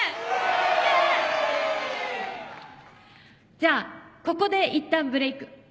じゃあここでいったんブレイク。